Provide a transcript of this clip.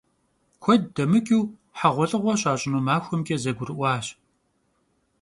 Kued demıç'ıu heğuelh'ığue şaş'ınu maxuemç'e zegurı'uaş.